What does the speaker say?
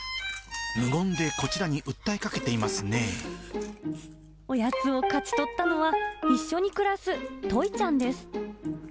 無言でこちらに訴えかけていおやつを勝ち取ったのは、一緒に暮らすトイちゃんです。